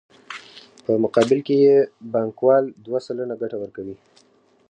په مقابل کې یې بانکوال دوه سلنه ګټه ورکوي